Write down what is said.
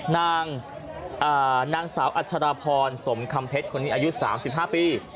นางสาวอัชรพรสมคำเพชรคนนี้อายุ๓๕ปี